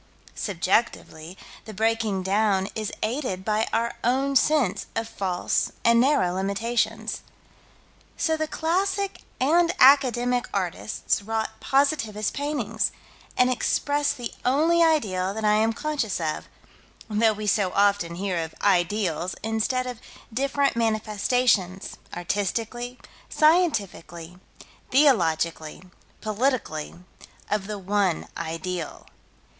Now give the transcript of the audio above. Subjectively, the breaking down is aided by our own sense of false and narrow limitations. So the classic and academic artists wrought positivist paintings, and expressed the only ideal that I am conscious of, though we so often hear of "ideals" instead of different manifestations, artistically, scientifically, theologically, politically, of the One Ideal.